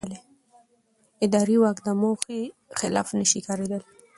اداري واک د موخې خلاف نه شي کارېدلی.